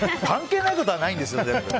関係ないことはないでしょ！